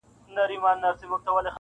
له سینې څخه یې ویني بهېدلې -